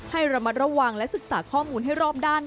ให้ระมัดระวังและศึกษาข้อมูลให้รอบด้าน